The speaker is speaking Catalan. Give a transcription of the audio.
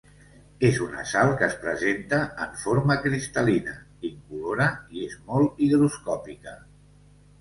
És una sal que es presenta en forma cristal·lina incolora i és molt higroscòpica.